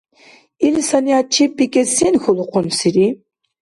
Ил санигӀят чеббикӀес сен хьулухъунсири?